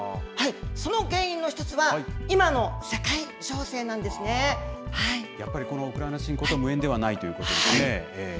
その原因の一つは、今の世界情勢やっぱり、このウクライナ侵攻と無縁ではないということですね。